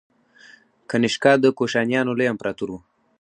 کنیشکا د کوشانیانو لوی امپراتور و